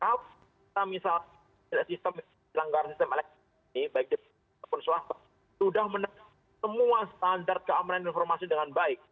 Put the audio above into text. kalau misal sistem yang dilanggar sistem elektronik baik di pemain ataupun swasta sudah menerapkan semua standar keamanan informasi dengan baik